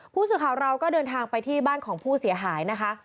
ผู้สื่อข่าวเราก็เดินทางไปที่บ้านของผู้เสียหายนะคะ